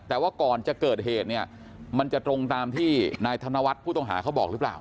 แต่ว่าก่อนจะเกิดเหตุเนี่ยมันจะตรงตามที่นายธนวัฒน์ผู้ต้องหาเขาบอกหรือเปล่า